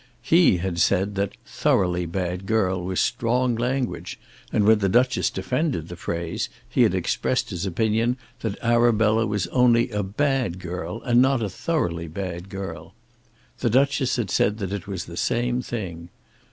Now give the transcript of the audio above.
He had said that "thoroughly bad girl" was strong language, and when the Duchess defended the phrase he had expressed his opinion that Arabella was only a bad girl and not a thoroughly bad girl. The Duchess had said that it was the same thing.